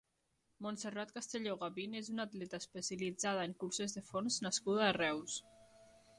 Montserrat Castelló Gavín és una atleta especialitzada en curses de fons nascuda a Reus.